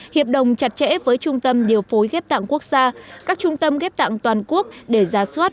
hiệp đồng chặt chẽ với trung tâm điều phối ghép tạng quốc gia các trung tâm ghép tạng toàn quốc để ra soát